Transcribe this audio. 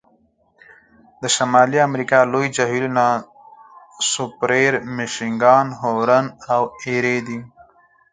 د شمالي امریکا لوی جهیلونه سوپریر، میشیګان، هورن او ایري دي.